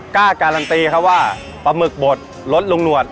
กล้าการันตีคะว่าปลาหมึกบทรสลุงหนวด